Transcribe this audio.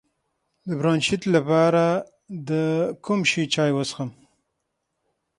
د برونشیت لپاره د کوم شي چای وڅښم؟